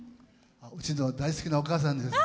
うちの大好きなお母さんにです。